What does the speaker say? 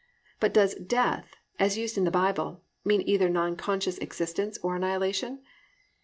But does "death" as used in the Bible mean either non conscious existence, or annihilation?